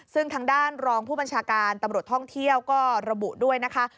ซึ่งทางด้านรองผู้บัญชาการตำรวจท่องเที่ยวก็ระบุด้วยนะคะ